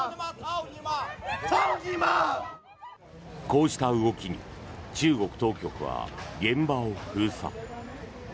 こうした動きに中国当局は現場を封鎖。